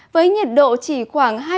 với nhiệt độ chỉ khoảng hai mươi bốn